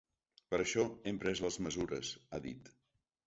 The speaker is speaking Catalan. Per això hem pres les mesures, ha dit.